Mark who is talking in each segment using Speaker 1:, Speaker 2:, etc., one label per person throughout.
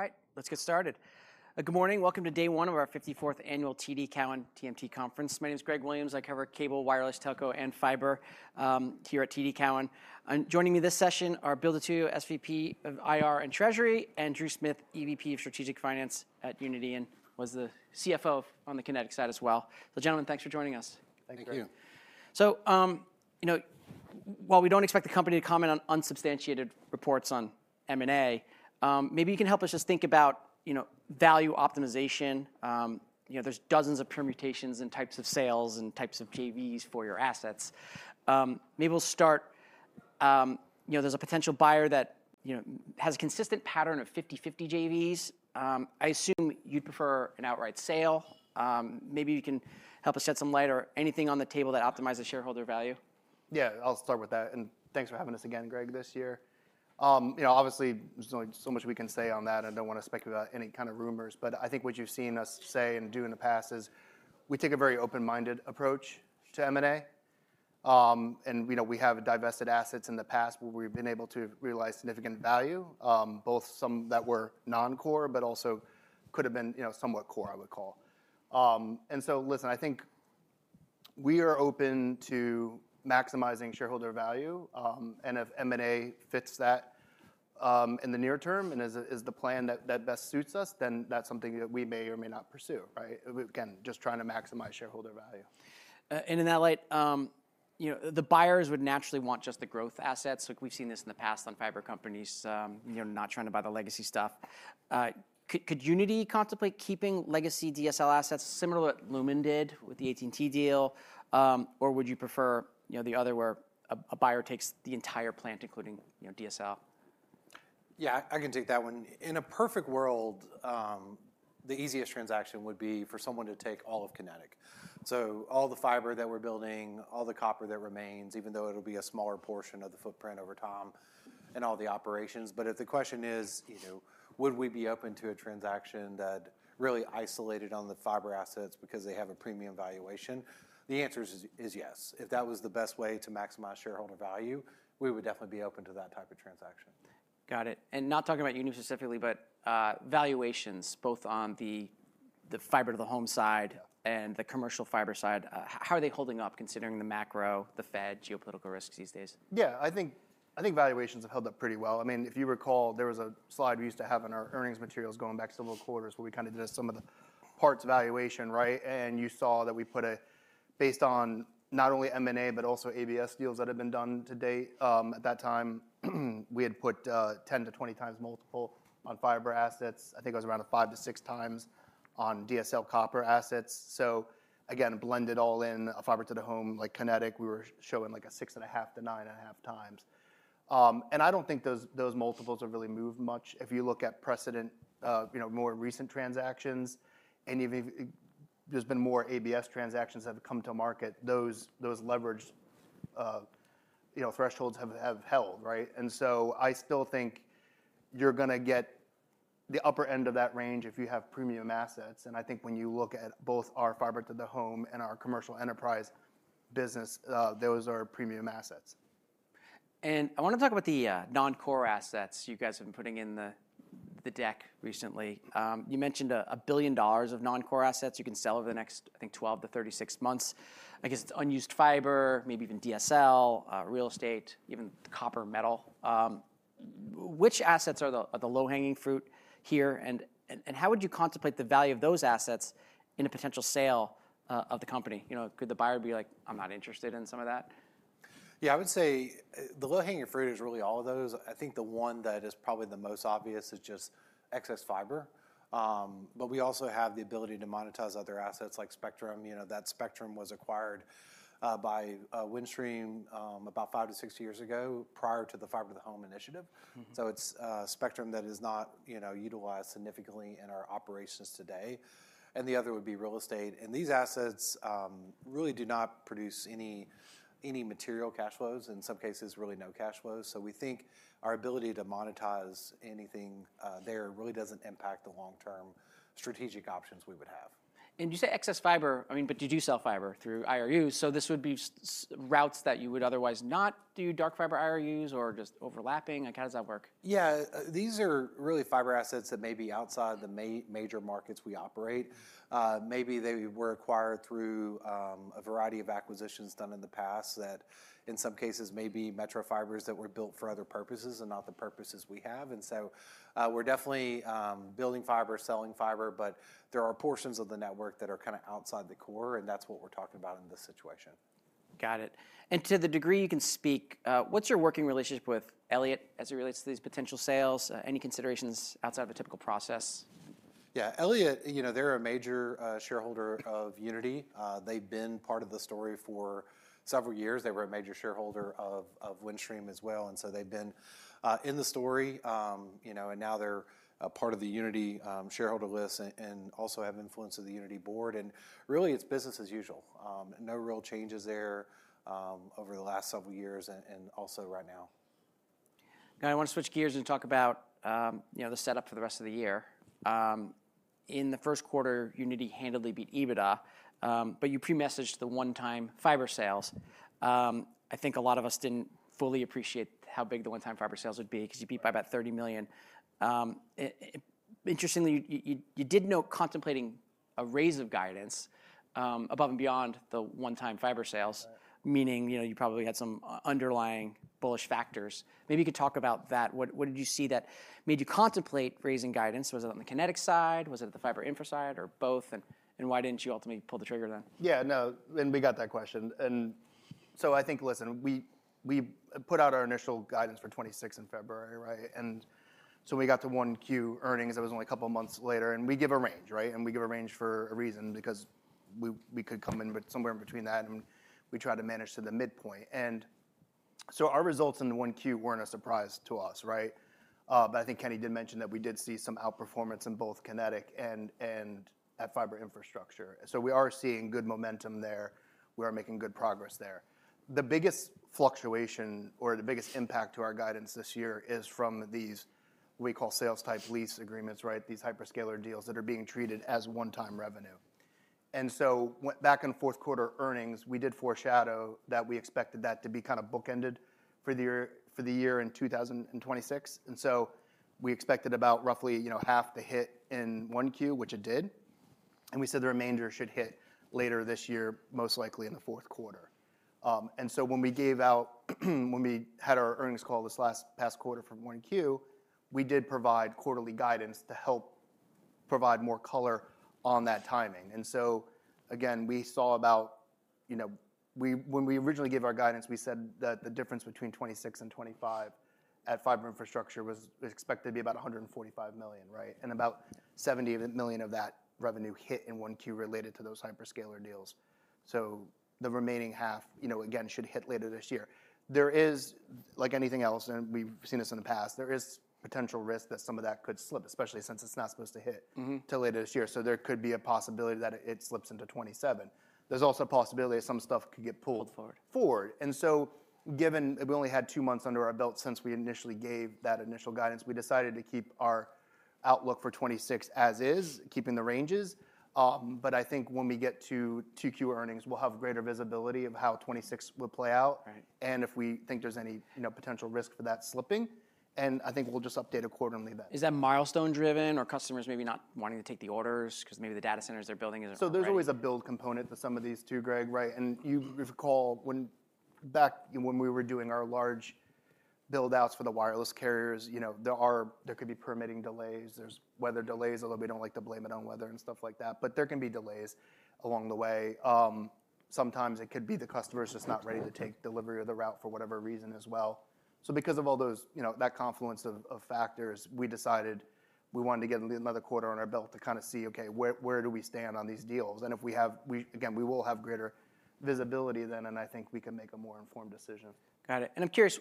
Speaker 1: All right. Let's get started. Good morning. Welcome to day one of our 54th annual TD Cowen TMT Conference. My name's Gregory Williams. I cover cable, wireless, telco, and fiber here at TD Cowen. Joining me this session are Bill DiTullio, SVP of IR and Treasury, and Drew Smith, EVP of Strategic Finance at Uniti and was the CFO on the Kinetic side as well. Gentlemen, thanks for joining us.
Speaker 2: Thank you.
Speaker 3: Thank you.
Speaker 1: While we don't expect the company to comment on unsubstantiated reports on M&A, maybe you can help us just think about value optimization. There's dozens of permutations and types of sales and types of JVs for your assets. Maybe we'll start, there's a potential buyer that has a consistent pattern of 50/50 JVs. I assume you'd prefer an outright sale. Maybe you can help us shed some light or anything on the table that optimizes shareholder value.
Speaker 2: Yeah, I'll start with that. Thanks for having us again, Greg, this year. Obviously, there's only so much we can say on that. I don't want to speculate about any kind of rumors, but I think what you've seen us say and do in the past is we take a very open-minded approach to M&A. We have divested assets in the past where we've been able to realize significant value, both some that were non-core, but also could have been somewhat core, I would call. Listen, I think we are open to maximizing shareholder value. If M&A fits that in the near-term and is the plan that best suits us, then that's something that we may or may not pursue, right? Again, just trying to maximize shareholder value.
Speaker 1: In that light, the buyers would naturally want just the growth assets. We've seen this in the past on fiber companies, not trying to buy the legacy stuff. Could Uniti contemplate keeping legacy DSL assets similar to what Lumen did with the AT&T deal? Would you prefer the other where a buyer takes the entire plant, including DSL?
Speaker 3: Yeah, I can take that one. In a perfect world, the easiest transaction would be for someone to take all of Kinetic. All the fiber that we're building, all the copper that remains, even though it'll be a smaller portion of the footprint over time and all the operations. If the question is, would we be open to a transaction that really isolated on the fiber assets because they have a premium valuation? The answer is yes. If that was the best way to maximize shareholder value, we would definitely be open to that type of transaction.
Speaker 1: Got it. Not talking about Uniti specifically, but valuations, both on the fiber to the home side and the commercial fiber side, how are they holding up considering the macro, the Fed, geopolitical risks these days?
Speaker 2: Yeah, I think valuations have held up pretty well. If you recall, there was a slide we used to have in our earnings materials going back several quarters, where we did sum-of-the-parts valuation, right? You saw that we put a, based on not only M&A, but also ABS deals that have been done to date. At that time, we had put 10x-20x multiple on fiber assets. I think it was around a 5x-6x on DSL copper assets. Again, blended all in, fiber to the home, like Kinetic, we were showing a 6.5x-9.5x. I don't think those multiples have really moved much. If you look at precedent of more recent transactions, and even there's been more ABS transactions that have come to market, those leverage thresholds have held, right? I still think you're going to get the upper end of that range if you have premium assets. I think when you look at both our fiber to the home and our commercial enterprise business, those are premium assets.
Speaker 1: I want to talk about the non-core assets you guys have been putting in the deck recently. You mentioned $1 billion of non-core assets you can sell over the next, I think, 12-36 months. I guess it's unused fiber, maybe even DSL, real estate, even copper metal. Which assets are the low-hanging fruit here, and how would you contemplate the value of those assets in a potential sale of the company? Could the buyer be like, "I'm not interested in some of that?
Speaker 3: I would say the low-hanging fruit is really all of those. I think the one that is probably the most obvious is just excess fiber. We also have the ability to monetize other assets like spectrum. That spectrum was acquired by Windstream about five to six years ago, prior to the Fiber to the Home initiative. It's a spectrum that is not utilized significantly in our operations today. The other would be real estate. These assets really do not produce any material cash flows, in some cases, really no cash flows. We think our ability to monetize anything there really doesn't impact the long-term strategic options we would have.
Speaker 1: You say excess fiber, but you do sell fiber through IRUs, so this would be routes that you would otherwise not do dark fiber IRUs or just overlapping? How does that work?
Speaker 3: Yeah. These are really fiber assets that may be outside the major markets we operate. Maybe they were acquired through a variety of acquisitions done in the past that, in some cases, may be metro fibers that were built for other purposes and not the purposes we have. We're definitely building fiber, selling fiber, but there are portions of the network that are outside the core, and that's what we're talking about in this situation.
Speaker 1: Got it. To the degree you can speak, what's your working relationship with Elliott as it relates to these potential sales? Any considerations outside of the typical process?
Speaker 3: Elliott, they're a major shareholder of Uniti. They've been part of the story for several years. They were a major shareholder of Windstream as well. They've been in the story, and now they're a part of the Uniti shareholder list and also have influence of the Uniti board, and really it's business as usual. No real changes there over the last several years and also right now.
Speaker 1: I want to switch gears and talk about the setup for the rest of the year. In the first quarter, Uniti handedly beat EBITDA, but you pre-messaged the one-time fiber sales. I think a lot of us didn't fully appreciate how big the one-time fiber sales would be, because you beat by about $30 million. Interestingly, you did note contemplating a raise of guidance above and beyond the one-time fiber sales.
Speaker 2: Right.
Speaker 1: You probably had some underlying bullish factors. Maybe you could talk about that. What did you see that made you contemplate raising guidance? Was it on the Kinetic side? Was it the fiber infra side, or both? Why didn't you ultimately pull the trigger then?
Speaker 2: No. We got that question. I think, listen, we put out our initial guidance for 2026 in February, right? We got to 1Q earnings, that was only a couple of months later, and we give a range, right? We give a range for a reason, because we could come in somewhere in between that, and we try to manage to the midpoint. Our results in the 1Q weren't a surprise to us, right? I think Kenny did mention that we did see some outperformance in both Kinetic and at fiber infrastructure. We are seeing good momentum there. We are making good progress there. The biggest fluctuation or the biggest impact to our guidance this year is from these, we call sales type lease agreements, right? These hyperscaler deals that are being treated as one-time revenue. Back in the fourth quarter earnings, we did foreshadow that we expected that to be bookended for the year in 2026. We expected about roughly half the hit in 1Q, which it did, and we said the remainder should hit later this year, most likely in the fourth quarter. When we gave out, when we had our earnings call this past quarter for 1Q, we did provide quarterly guidance to help provide more color on that timing. Again, when we originally gave our guidance, we said that the difference between 2026 and 2025 at fiber infrastructure was expected to be about $145 million, right? About $70 million of that revenue hit in 1Q related to those hyperscaler deals. The remaining half, again, should hit later this year. There is, like anything else, and we've seen this in the past, there is potential risk that some of that could slip, especially since it's not supposed to hit. Till later this year. There could be a possibility that it slips into 2027. There's also a possibility that some stuff could get pulled.
Speaker 1: Forward.
Speaker 2: forward. Given that we only had two months under our belt since we initially gave that initial guidance, we decided to keep our outlook for 2026 as is, keeping the ranges. I think when we get to 2Q earnings, we'll have greater visibility of how 2026 will play out.
Speaker 1: Right.
Speaker 2: If we think there's any potential risk for that slipping. I think we'll just update it quarterly then.
Speaker 1: Is that milestone driven or customers maybe not wanting to take the orders because maybe the data centers they're building?
Speaker 2: There's always a build component to some of these too, Greg, right? You recall back when we were doing our large build-outs for the wireless carriers, there could be permitting delays. There's weather delays, although we don't like to blame it on weather and stuff like that. There can be delays along the way. Sometimes it could be the customer's just not ready to take delivery of the route for whatever reason as well. Because of all those, that confluence of factors, we decided we wanted to get another quarter under our belt to kind of see, okay, where do we stand on these deals? If we have, again, we will have greater visibility then, and I think we can make a more informed decision.
Speaker 1: Got it. I'm curious,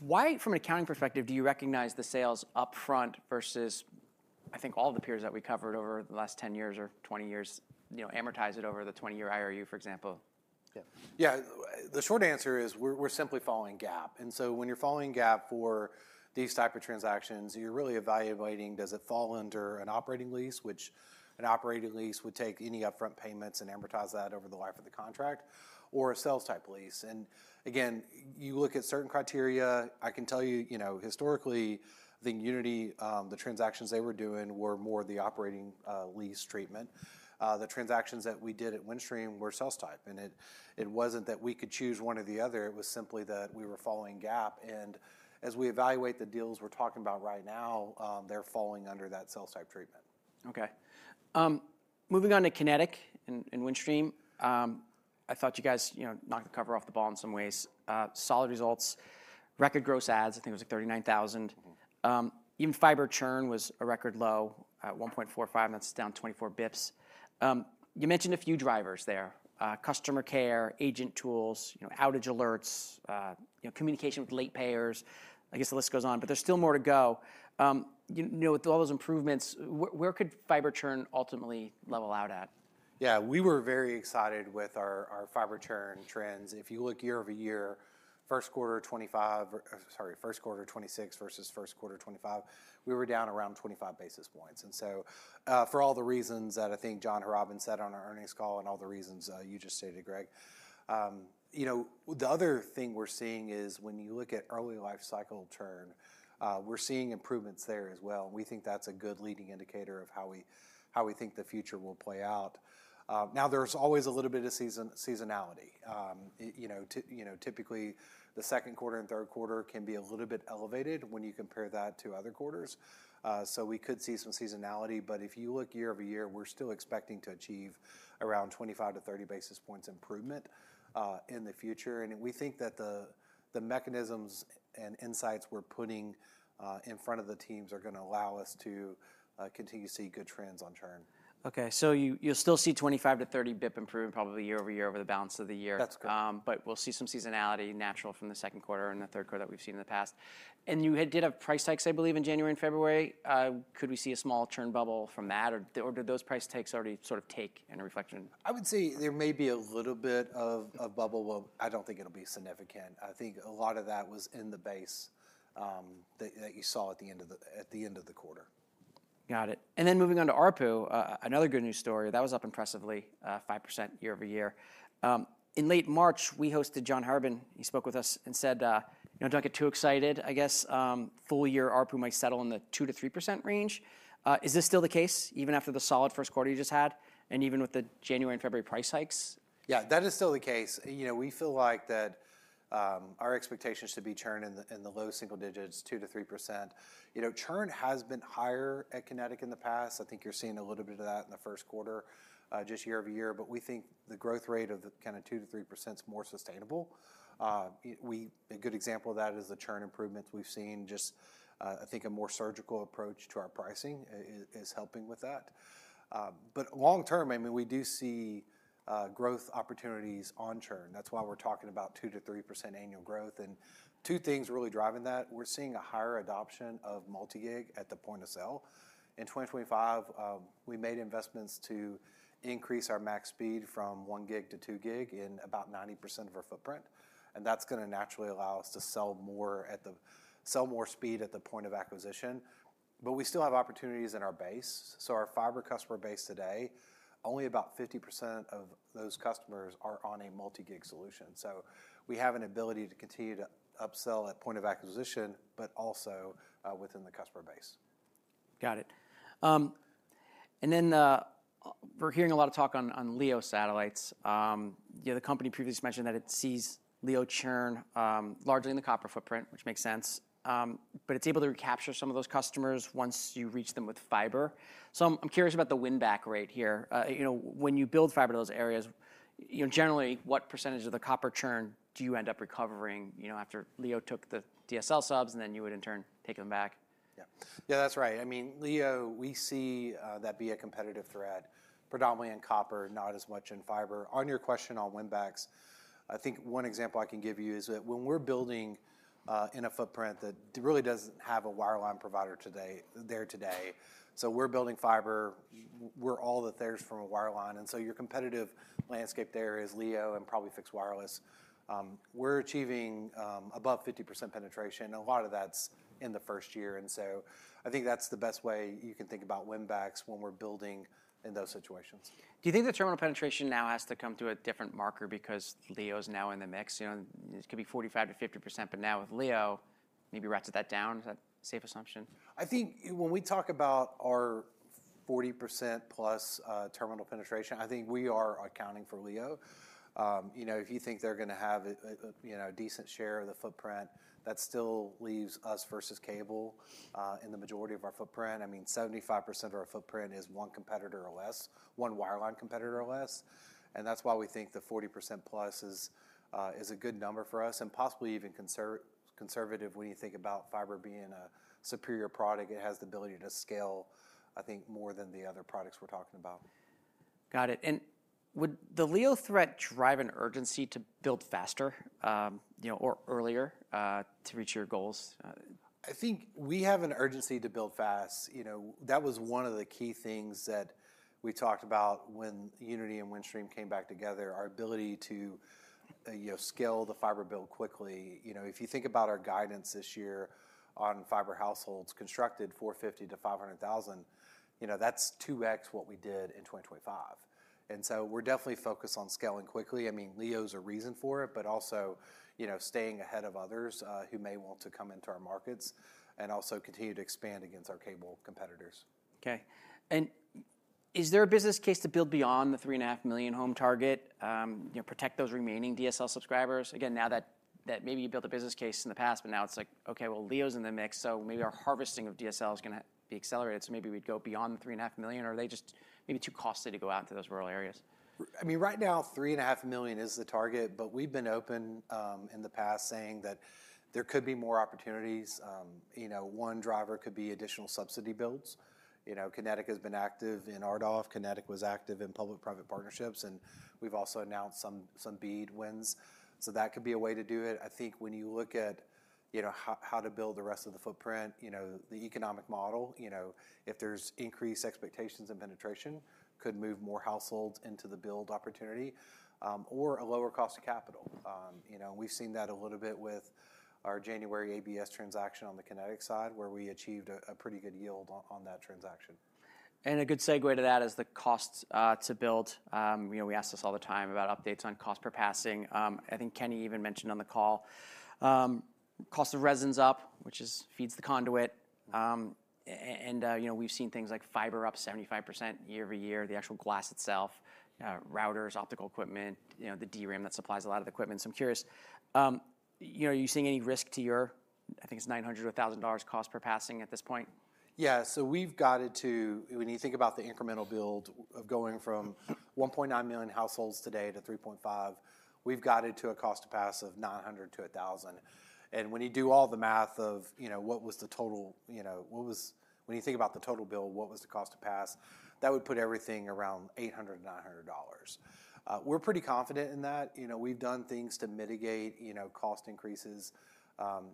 Speaker 1: why, from an accounting perspective, do you recognize the sales upfront versus, I think all the peers that we covered over the last 10 years or 20 years, amortize it over the 20-year IRU, for example?
Speaker 2: Yeah. The short answer is we're simply following GAAP. When you're following GAAP for these type of transactions, you're really evaluating does it fall under an operating lease, which an operating lease would take any upfront payments and amortize that over the life of the contract, or a sales type lease. Again, you look at certain criteria. I can tell you historically, I think Uniti, the transactions they were doing were more the operating lease treatment. The transactions that we did at Windstream were sales type, and it wasn't that we could choose one or the other, it was simply that we were following GAAP. As we evaluate the deals we're talking about right now, they're falling under that sales type treatment.
Speaker 1: Okay. Moving on to Kinetic and Windstream. I thought you guys knocked the cover off the ball in some ways. Solid results, record gross adds, I think it was like 39,000. Even fiber churn was a record low at 1.45%, down 24 basis points. You mentioned a few drivers there. Customer care, agent tools, outage alerts, communication with late payers. I guess the list goes on, there's still more to go. With all those improvements, where could fiber churn ultimately level out at?
Speaker 2: We were very excited with our fiber churn trends. If you look year-over-year, first quarter 2026 versus first quarter 2025, we were down around 25 basis points. For all the reasons that I think John Horobin said on our earnings call and all the reasons you just stated, Greg. The other thing we're seeing is when you look at early life cycle churn, we're seeing improvements there as well. We think that's a good leading indicator of how we think the future will play out. There's always a little bit of seasonality. Typically, the second quarter and third quarter can be a little bit elevated when you compare that to other quarters. We could see some seasonality, but if you look year-over-year, we're still expecting to achieve around 25-30 basis points improvement in the future. We think that the mechanisms and insights we're putting in front of the teams are going to allow us to continue to see good trends on churn.
Speaker 1: Okay. You'll still see 25-30 bp improvement probably year-over-year over the balance of the year.
Speaker 2: That's correct.
Speaker 1: We'll see some seasonality natural from the second quarter and the third quarter that we've seen in the past. You did have price hikes, I believe, in January and February. Could we see a small churn bubble from that, or did those price hikes already sort of take in a reflection?
Speaker 2: I would say there may be a little bit of a bubble. Well, I don't think it'll be significant. I think a lot of that was in the base that you saw at the end of the quarter.
Speaker 1: Got it. Then moving on to ARPU, another good news story. That was up impressively, 5% year-over-year. In late March, we hosted John Horobin. He spoke with us and said, "Don't get too excited. I guess full year ARPU might settle in the 2%-3% range." Is this still the case even after the solid first quarter you just had, and even with the January and February price hikes?
Speaker 3: Yeah, that is still the case. We feel like that our expectations should be churn in the low single digits, 2%-3%. Churn has been higher at Kinetic in the past. I think you're seeing a little bit of that in the first quarter, just year-over-year. We think the growth rate of the 2%-3% is more sustainable. A good example of that is the churn improvements we've seen. Just, I think, a more surgical approach to our pricing is helping with that. Long-term, we do see growth opportunities on churn. That's why we're talking about 2%-3% annual growth. Two things are really driving that. We're seeing a higher adoption of multi-gig at the point of sale. In 2025, we made investments to increase our max speed from one gig to two gig in about 90% of our footprint. That's going to naturally allow us to sell more speed at the point of acquisition. We still have opportunities in our base. Our fiber customer base today, only about 50% of those customers are on a multi-gig solution. We have an ability to continue to upsell at point of acquisition, but also within the customer base.
Speaker 1: Got it. We're hearing a lot of talk on LEO satellites. The company previously mentioned that it sees LEO churn largely in the copper footprint, which makes sense. It's able to recapture some of those customers once you reach them with fiber. I'm curious about the win-back rate here. When you build fiber to those areas, generally, what percentage of the copper churn do you end up recovering after LEO took the DSL subs and then you would, in turn, take them back?
Speaker 3: Yeah. That's right. LEO, we see that be a competitive threat, predominantly in copper, not as much in fiber. On your question on win backs, I think one example I can give you is that when we're building in a footprint that really doesn't have a wireline provider there today, so we're building fiber, we're all that there is from a wireline, and so your competitive landscape there is LEO and probably fixed wireless. We're achieving above 50% penetration. A lot of that's in the first year, I think that's the best way you can think about win backs when we're building in those situations.
Speaker 1: Do you think the terminal penetration now has to come to a different marker because LEO's now in the mix? It could be 45%-50%, but now with LEO, maybe ratchets that down. Is that a safe assumption?
Speaker 3: I think when we talk about our 40%+ terminal penetration, I think we are accounting for LEO. If you think they're going to have a decent share of the footprint, that still leaves us versus cable in the majority of our footprint. 75% of our footprint is one competitor or less, one wireline competitor or less. That's why we think the 40%+ is a good number for us and possibly even conservative when you think about fiber being a superior product. It has the ability to scale, I think, more than the other products we're talking about.
Speaker 1: Got it. Would the LEO threat drive an urgency to build faster, or earlier, to reach your goals?
Speaker 3: I think we have an urgency to build fast. That was one of the key things that we talked about when Uniti and Windstream came back together, our ability to scale the fiber build quickly. If you think about our guidance this year on fiber households constructed, 450,000-500,000, that's 2x what we did in 2025. We're definitely focused on scaling quickly. LEO's a reason for it, but also, staying ahead of others who may want to come into our markets and also continue to expand against our cable competitors.
Speaker 1: Okay. Is there a business case to build beyond the 3.5 million home target, protect those remaining DSL subscribers? Again, now that maybe you built a business case in the past, but now it's like, okay, well, LEO's in the mix, so maybe our harvesting of DSL is going to be accelerated. Maybe we'd go beyond 3.5 million, or are they just maybe too costly to go out into those rural areas?
Speaker 3: Right now, 3.5 million is the target, but we've been open in the past saying that there could be more opportunities. One driver could be additional subsidy builds. Kinetic has been active in RDOF. Kinetic was active in public-private partnerships, and we've also announced some BEAD wins. That could be a way to do it. I think when you look at how to build the rest of the footprint, the economic model, if there's increased expectations in penetration, could move more households into the build opportunity, or a lower cost of capital. We've seen that a little bit with our January ABS transaction on the Kinetic side, where we achieved a pretty good yield on that transaction.
Speaker 1: A good segue to that is the cost to build. We ask this all the time about updates on cost per passing. I think Kenny even mentioned on the call. Cost of resin's up, which feeds the conduit. We've seen things like fiber up 75% year-over-year, the actual glass itself, routers, optical equipment, the DRAM that supplies a lot of the equipment. I'm curious, are you seeing any risk to your, I think it's $900 or $1,000 cost per passing at this point?
Speaker 3: We've got it to, when you think about the incremental build of going from 1.9 million households today to 3.5, we've got it to a cost to pass of $900-$1,000. When you do all the math of what was the total bill, what was the cost to pass? That would put everything around $800, $900. We're pretty confident in that. We've done things to mitigate cost increases.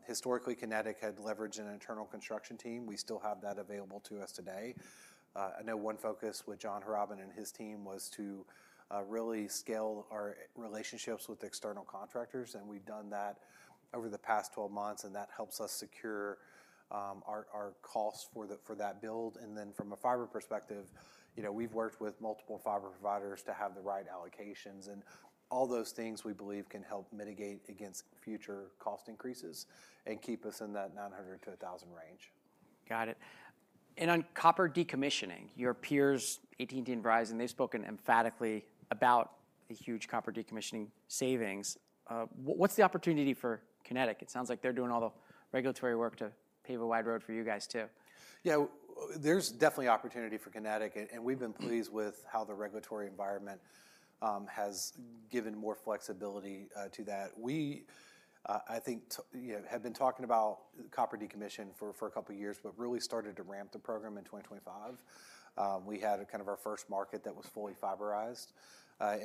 Speaker 3: Historically, Kinetic had leveraged an internal construction team. We still have that available to us today. I know one focus with John Horobin and his team was to really scale our relationships with external contractors, and we've done that over the past 12 months, and that helps us secure our costs for that build. From a fiber perspective, we've worked with multiple fiber providers to have the right allocations, and all those things we believe can help mitigate against future cost increases and keep us in that 900-1,000 range.
Speaker 1: Got it. On copper decommissioning, your peers, AT&T and Verizon, they've spoken emphatically about the huge copper decommissioning savings. What's the opportunity for Kinetic? It sounds like they're doing all the regulatory work to pave a wide road for you guys, too.
Speaker 3: There's definitely opportunity for Kinetic, and we've been pleased with how the regulatory environment has given more flexibility to that. We, I think, have been talking about copper decommission for a couple of years but really started to ramp the program in 2025. We had kind of our first market that was fully fiberized.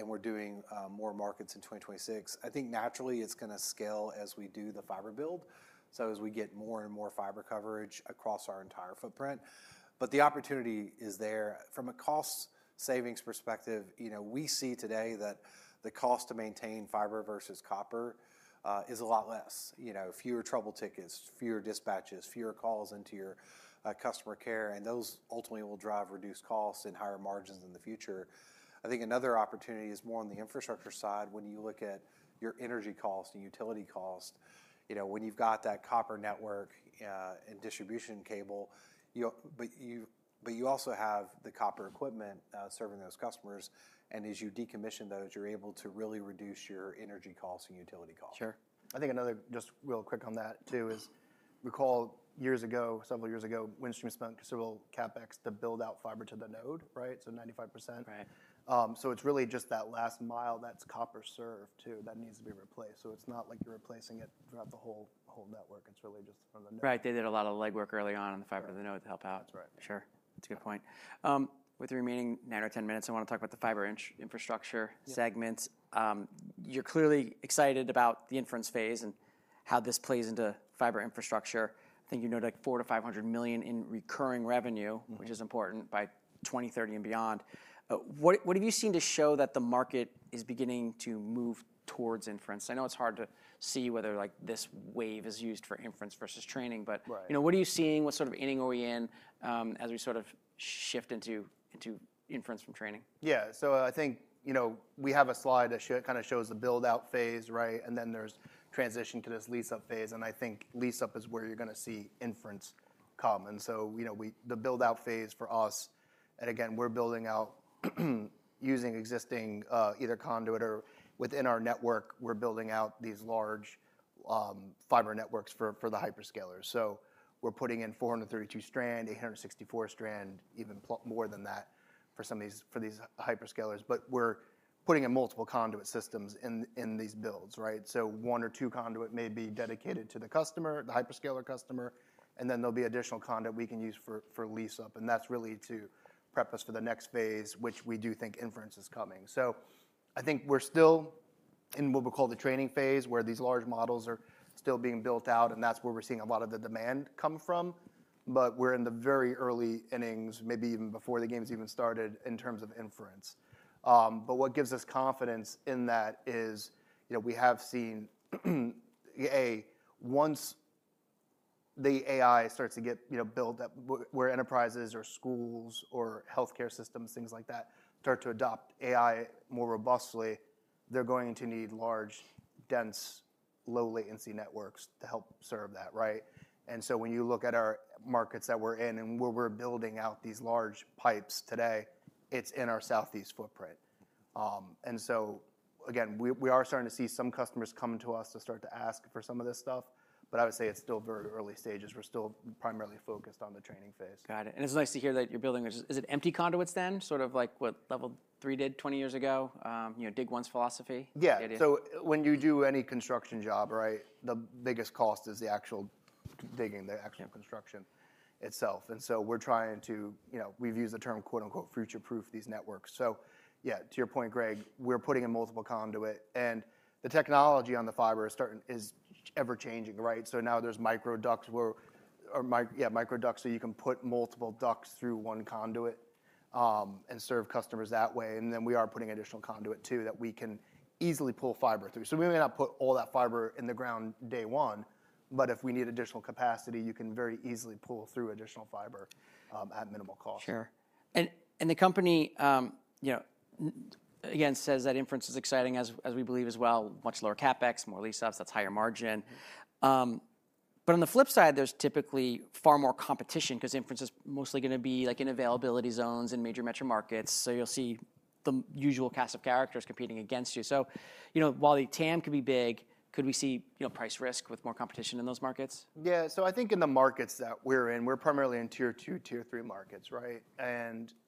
Speaker 3: We're doing more markets in 2026. I think naturally, it's going to scale as we do the fiber build, so as we get more and more fiber coverage across our entire footprint. The opportunity is there. From a cost-savings perspective, we see today that the cost to maintain fiber versus copper is a lot less, fewer trouble tickets, fewer dispatches, fewer calls into your customer care, and those ultimately will drive reduced costs and higher margins in the future. I think another opportunity is more on the infrastructure side when you look at your energy cost and utility cost, when you've got that copper network and distribution cable, but you also have the copper equipment serving those customers, and as you decommission those, you're able to really reduce your energy costs and utility costs.
Speaker 1: Sure.
Speaker 2: I think another just real quick on that, too, is recall years ago, several years ago, Windstream spent considerable CapEx to build out fiber to the node, right, 95%.
Speaker 1: Right.
Speaker 2: It's really just that last mile that's copper served, too, that needs to be replaced. It's not like you're replacing it throughout the whole network. It's really just from the node.
Speaker 1: Right. They did a lot of legwork early on the fiber to the node to help out.
Speaker 2: That's right.
Speaker 1: Sure. That's a good point. With the remaining nine or 10 minutes, I want to talk about the fiber infrastructure segments. You're clearly excited about the inference phase and how this plays into fiber infrastructure. I think you noted four to $500 million in recurring revenue. Which is important, by 2030 and beyond. What have you seen to show that the market is beginning to move towards inference? I know it's hard to see whether this wave is used for inference versus training.
Speaker 2: Right.
Speaker 1: What are you seeing? What sort of inning are we in as we sort of shift into inference from training?
Speaker 2: I think we have a slide that kind of shows the build-out phase, right? There's transition to this lease-up phase, and I think lease-up is where you're going to see inference come. The build-out phase for us, and again, we're building out using existing either conduit or within our network, we're building out these large fiber networks for the hyperscalers. We're putting in 432 strand, 864 strand, even more than that for these hyperscalers. We're putting in multiple conduit systems in these builds, right? One or two conduit may be dedicated to the customer, the hyperscaler customer, and then there'll be additional conduit we can use for lease-up, and that's really to prep us for the next phase, which we do think inference is coming. I think we're still in what we call the training phase, where these large models are still being built out, and that's where we're seeing a lot of the demand come from. We're in the very early innings, maybe even before the game's even started, in terms of inference. What gives us confidence in that is we have seen, A, once the AI starts to build up where enterprises or schools or healthcare systems, things like that, start to adopt AI more robustly, they're going to need large, dense, low-latency networks to help serve that, right? When you look at our markets that we're in and where we're building out these large pipes today, it's in our southeast footprint. Again, we are starting to see some customers coming to us to start to ask for some of this stuff, but I would say it's still very early stages. We're still primarily focused on the training phase.
Speaker 1: Got it. It's nice to hear that you're building this. Is it empty conduits, then? Sort of like what Level 3 did 20 years ago? Dig once philosophy?
Speaker 2: Yeah.
Speaker 1: It is.
Speaker 2: When you do any construction job, right? The biggest cost is the actual digging.
Speaker 1: Yeah.
Speaker 2: Construction itself. We're trying to, we've used the term, quote-unquote, "Future-proof these networks." Yeah, to your point, Greg, we're putting in multiple conduit, and the technology on the fiber is ever-changing, right? Now there's microducts where yeah, microducts, you can put multiple ducts through one conduit, and serve customers that way. We are putting additional conduit, too, that we can easily pull fiber through. We may not put all that fiber in the ground day one, but if we need additional capacity, you can very easily pull through additional fiber, at minimal cost.
Speaker 1: Sure. The company, again, says that inference is exciting as we believe as well, much lower CapEx, more lease-ups, that's higher margin. On the flip side, there's typically far more competition because inference is mostly going to be like in availability zones in major metro markets. You'll see the usual cast of characters competing against you. While the TAM could be big, could we see price risk with more competition in those markets?
Speaker 2: I think in the markets that we're in, we're primarily in Tier 2, Tier 3 markets, right?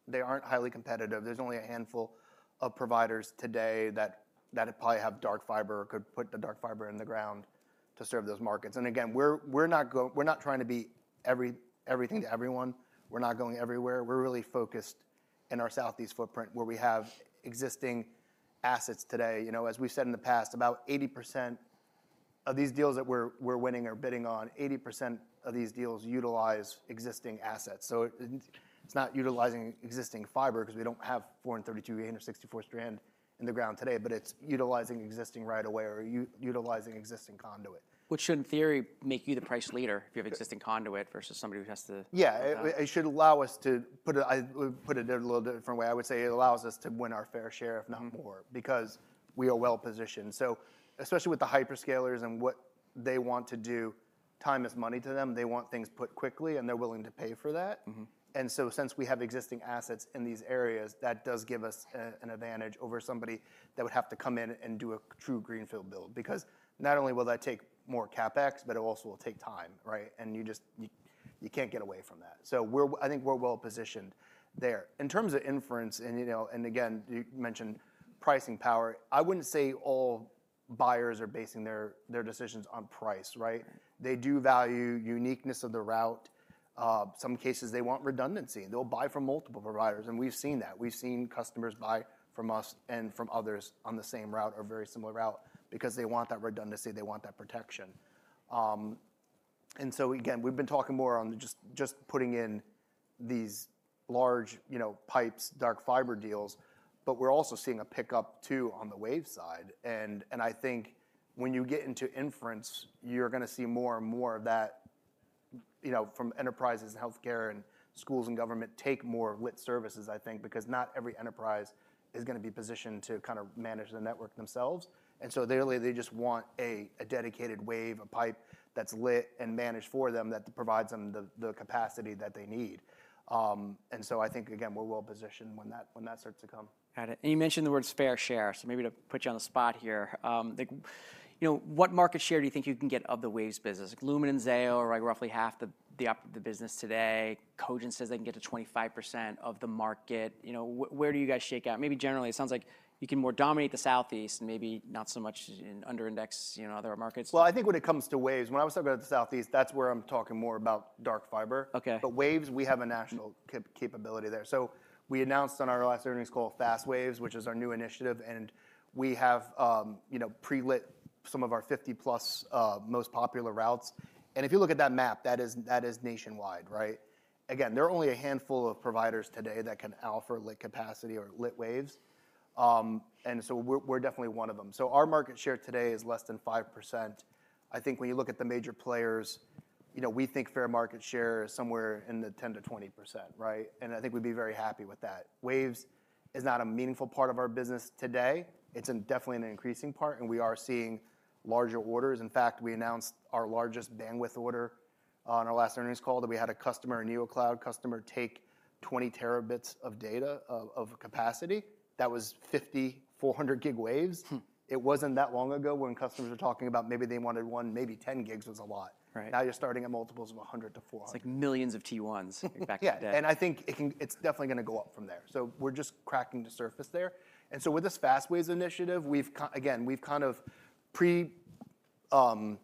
Speaker 2: They aren't highly competitive. There's only a handful of providers today that probably have dark fiber or could put the dark fiber in the ground to serve those markets. Again, we're not trying to be everything to everyone. We're not going everywhere. We're really focused in our southeast footprint where we have existing assets today. As we've said in the past, about 80% of these deals that we're winning or bidding on, 80% of these deals utilize existing assets. It's not utilizing existing fiber because we don't have 432 strand or 864 strand in the ground today, but it's utilizing existing right-of-way or utilizing existing conduit.
Speaker 1: Which should, in theory, make you the price leader if you have existing conduit versus somebody.
Speaker 2: Yeah. It should allow us to, put it a little different way, I would say it allows us to win our fair share, if not more, because we are well-positioned. Especially with the hyperscalers and what they want to do, time is money to them. They want things put quickly, and they're willing to pay for that. Since we have existing assets in these areas, that does give us an advantage over somebody that would have to come in and do a true greenfield build, because not only will that take more CapEx, but it also will take time. Right? You just can't get away from that. I think we're well-positioned there. In terms of inference and, again, you mentioned pricing power, I wouldn't say all buyers are basing their decisions on price. Right? They do value uniqueness of the route. Some cases, they want redundancy. They'll buy from multiple providers, and we've seen that. We've seen customers buy from us and from others on the same route or very similar route because they want that redundancy. They want that protection. Again, we've been talking more on just putting in these large pipes, dark fiber deals, but we're also seeing a pickup too on the wave side. I think when you get into inference, you're going to see more and more of that from enterprises and healthcare and schools and government take more lit services, I think, because not every enterprise is going to be positioned to kind of manage the network themselves. They just want a dedicated wave, a pipe that's lit and managed for them that provides them the capacity that they need. I think, again, we're well-positioned when that starts to come.
Speaker 1: Got it. You mentioned the words fair share. Maybe to put you on the spot here, what market share do you think you can get of the waves business? Lumen and Zayo are roughly half the business today. Cogent says they can get to 25% of the market. Where do you guys shake out? Generally, it sounds like you can more dominate the Southeast and maybe not so much in under index other markets.
Speaker 2: Well, I think when it comes to waves, when I was talking about the Southeast, that's where I'm talking more about dark fiber.
Speaker 1: Okay.
Speaker 2: Waves, we have a national capability there. We announced on our last earnings call FastWaves, which is our new initiative, and we have pre-lit some of our 50+ most popular routes. If you look at that map, that is nationwide. Right? Again, there are only a handful of providers today that can offer lit capacity or lit waves. We're definitely one of them. Our market share today is less than 5%. I think when you look at the major players, we think fair market share is somewhere in the 10%-20%. Right? I think we'd be very happy with that. Waves is not a meaningful part of our business today. It's definitely an increasing part, and we are seeing larger orders. In fact, we announced our largest bandwidth order on our last earnings call that we had a customer, a neocloud customer, take 20 terabits of data of capacity. That was 50 400-gig waves. It wasn't that long ago when customers were talking about maybe they wanted one, maybe 10 gigs was a lot.
Speaker 1: Right.
Speaker 2: Now you're starting at multiples of 100-400.
Speaker 1: It's like millions of T1s back in the day.
Speaker 2: Yeah. I think it's definitely going to go up from there. We're just cracking the surface there. With this FastWaves initiative, again, we've kind of pre-provisioned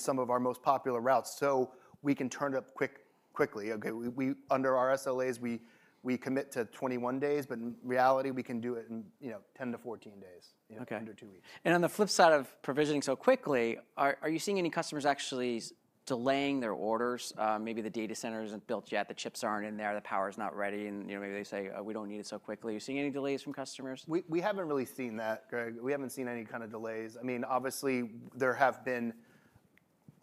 Speaker 2: some of our most popular routes so we can turn it up quickly. Okay. Under our SLAs, we commit to 21 days, but in reality, we can do it in 10-14 days.
Speaker 1: Okay.
Speaker 2: Under two weeks.
Speaker 1: On the flip side of provisioning so quickly, are you seeing any customers actually delaying their orders? Maybe the data center isn't built yet, the chips aren't in there, the power's not ready, and maybe they say, "We don't need it so quickly." Are you seeing any delays from customers?
Speaker 2: We haven't really seen that, Greg. We haven't seen any kind of delays. Obviously, there have been,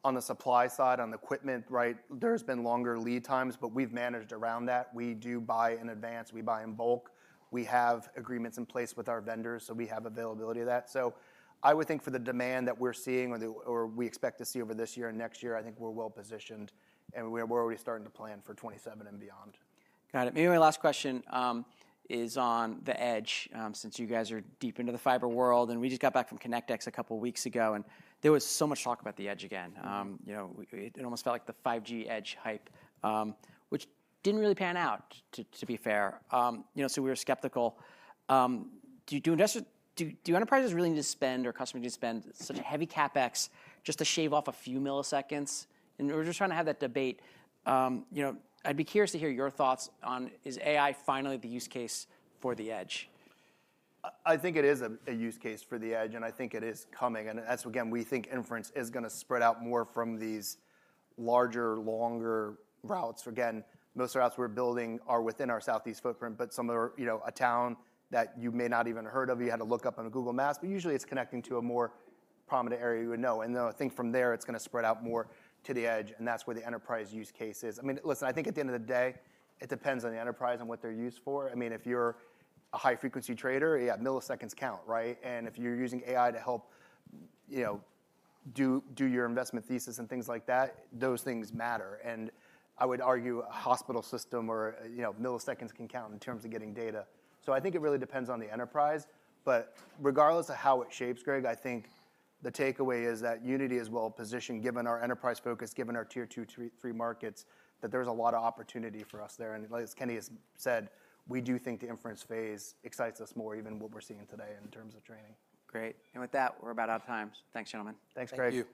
Speaker 2: on the supply side, on the equipment, there's been longer lead times, but we've managed around that. We do buy in advance. We buy in bulk. We have agreements in place with our vendors, so we have availability of that. I would think for the demand that we're seeing or we expect to see over this year and next year, I think we're well-positioned, and we're already starting to plan for 2027 and beyond.
Speaker 1: Got it. Maybe my last question is on the edge, since you guys are deep into the fiber world, and we just got back from Connect (X) a couple of weeks ago, and there was so much talk about the edge again. It almost felt like the 5G edge hype, which didn't really pan out, to be fair. So we were skeptical. Do enterprises really need to spend, or customers need to spend such a heavy CapEx just to shave off a few milliseconds? We're just trying to have that debate. I'd be curious to hear your thoughts on, is AI finally the use case for the edge?
Speaker 2: I think it is a use case for the edge, and I think it is coming. That's, again, we think inference is going to spread out more from these larger, longer routes. Again, most of the routes we're building are within our southeast footprint, but some are a town that you may not even heard of, you had to look up on a Google Maps, but usually it's connecting to a more prominent area you would know. Then I think from there, it's going to spread out more to the edge, and that's where the enterprise use case is. Listen, I think at the end of the day, it depends on the enterprise and what they're used for. If you're a high-frequency trader, yeah, milliseconds count. Right? If you're using AI to help do your investment thesis and things like that, those things matter. I would argue a hospital system or milliseconds can count in terms of getting data. I think it really depends on the enterprise. Regardless of how it shapes, Greg, I think the takeaway is that Uniti is well-positioned, given our enterprise focus, given our Tier 2, 3 markets, that there's a lot of opportunity for us there. As Kenny has said, we do think the inference phase excites us more, even what we're seeing today in terms of training.
Speaker 1: Great. With that, we're about out of time. Thanks, gentlemen.
Speaker 2: Thanks, Greg.
Speaker 3: Thank you.